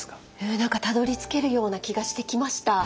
何かたどりつけるような気がしてきました。